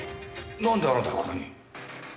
なんであなたがここに？